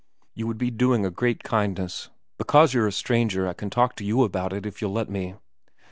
You would be doing a great kindness. Because you're a stranger I can talk to you about it if you'll let me.